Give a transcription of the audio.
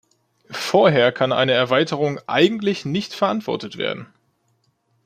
Vorher kann eine Erweiterung eigentlich nicht verantwortet werden.